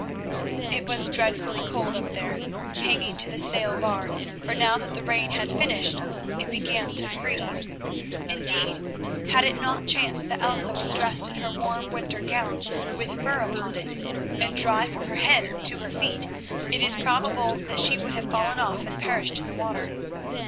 It was dreadfully cold up there hanging to the sail bar, for now that the rain had finished, it began to freeze. Indeed, had it not chanced that Elsa was dressed in her warm winter gown with fur upon it, and dry from her head to her feet, it is probable that she would have fallen off and perished in the water.